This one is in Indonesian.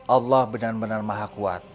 allah benar benar maha kuat